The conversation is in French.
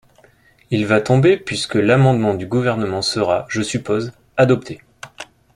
Il va tomber puisque l’amendement du Gouvernement sera, je suppose, adopté.